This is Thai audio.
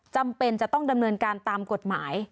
จำเป็นจะต้องดำเนินการตามกฎหมาย